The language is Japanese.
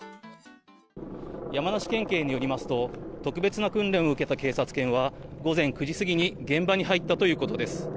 山梨県警によりますと特別な訓練を受けた警察犬は、午前９時過ぎに現場に入ったということです。